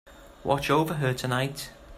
Watch over her tonight.